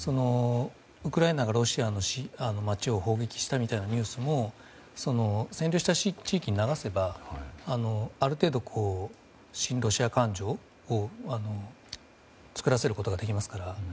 ウクライナがロシアの街を砲撃したみたいなニュースも占領した地域に流せばある程度、親ロシア感情を作らせることができますから。